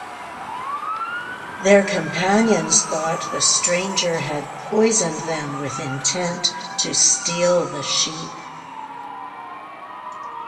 Their companions thought the stranger had poisoned them with intent to steal the sheep.